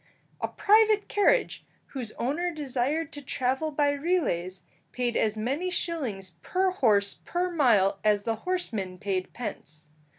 A private carriage, whose owner desired to travel by relays, paid as many shillings per horse per mile as the horseman paid pence.